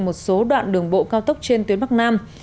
một số đoạn đường bộ cao tốc trên tuyến bắc nam